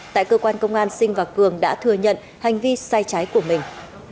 tại cơ quan công an sinh và cường đã thừa nhận hành vi sai trái của mình